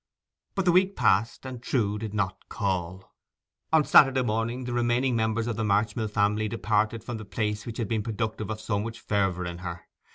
But the week passed, and Trewe did not call. On Saturday morning the remaining members of the Marchmill family departed from the place which had been productive of so much fervour in her.